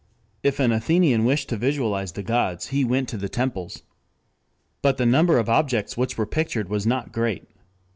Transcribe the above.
If an Athenian wished to visualize the gods he went to the temples. But the number of objects which were pictured was not great.